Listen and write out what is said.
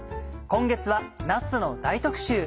今月はなすの大特集。